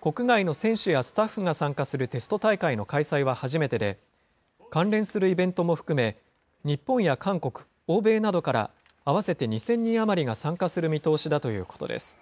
国外の選手やスタッフが参加するテスト大会の開催は初めてで、関連するイベントも含め、日本や韓国、欧米などから合わせて２０００人余りが参加する見通しだということです。